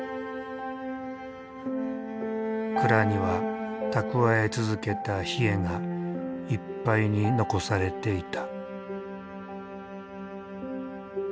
蔵には蓄え続けたヒエがいっぱいに残されていた。